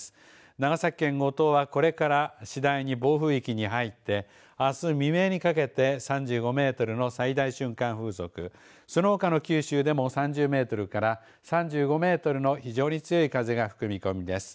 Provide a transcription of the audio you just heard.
長崎県五島はこれから次第に暴風域に入ってあす未明にかけて３５メートルの最大瞬間風速そのほかの九州でも３０メートルから３５メートルの非常に強い風が吹く見込みです。